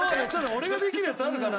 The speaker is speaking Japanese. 俺ができるやつあるかな？